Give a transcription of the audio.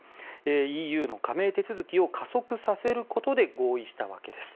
ＥＵの加盟手続きを加速させることで合意したわけです。